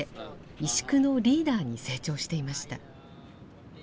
石工のリーダーに成長していました。